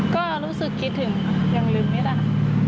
ก็รู้สึกคิดถึงยังลืมไม่ได้